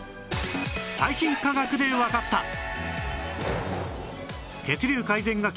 最新科学でわかった